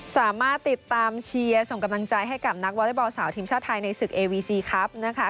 สามารถติดตามเชียร์ส่งกำลังใจให้กับนักวอเล็กบอลสาวทีมชาติไทยในศึกเอวีซีครับนะคะ